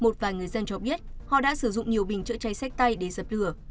cũng nhiều bình chữa cháy sách tay để sập lửa